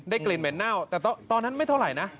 กลิ่นเหม็นเน่าแต่ตอนนั้นไม่เท่าไหร่นะ